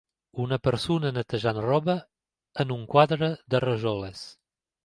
Una persona netejant roba en un quadre de rajoles